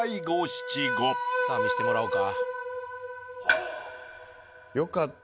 さぁ見してもらおうか。